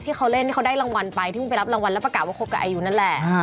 ที่เขาเล่นที่เขาได้รางวัลไปที่เพิ่งไปรับรางวัลแล้วประกาศว่าคบกับอายุนั่นแหละ